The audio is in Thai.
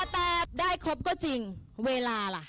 แต่ได้ครบก็จริงเวลาล่ะ